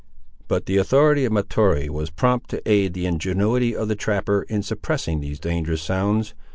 But the authority of Mahtoree was prompt to aid the ingenuity of the trapper, in suppressing these dangerous sounds.